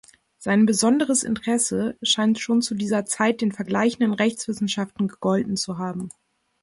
Sein besonderes Interesse scheint schon zu dieser Zeit den vergleichenden Rechtswissenschaften gegolten zu haben.